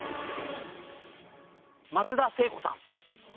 松田聖子さん